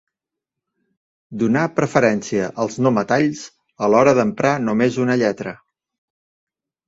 Donà preferència als no metalls a l'hora d'emprar només una lletra.